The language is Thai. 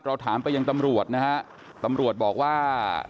ถามไปยังตำรวจนะฮะตำรวจบอกว่า